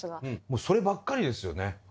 もうそればっかりですよね。